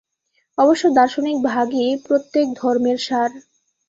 অবশ্য দার্শনিক ভাগই প্রত্যেক ধর্মের সার।